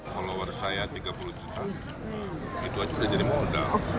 follower saya tiga puluh juta itu sudah jadi modal